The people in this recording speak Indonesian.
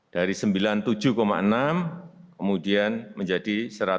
dari sembilan puluh tujuh enam kemudian menjadi satu ratus lima belas enam